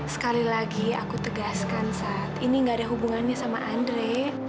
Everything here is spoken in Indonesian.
sekali lagi aku tegaskan saat ini gak ada hubungannya sama andre